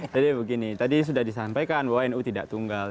jadi begini tadi sudah disampaikan bahwa nu tidak tunggal